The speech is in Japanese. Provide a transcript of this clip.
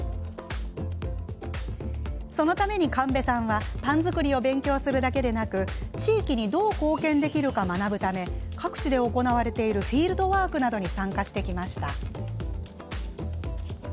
そのために神戸さんはパン作りを勉強するだけでなく地域にどう貢献できるかを学ぶため、各地で行われているフィールドワークなどに参加してきました。